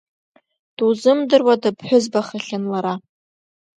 Дузымдыруа дыԥҳәызбахахьан лара.